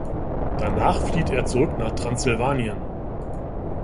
Danach flieht er zurück nach Transsylvanien.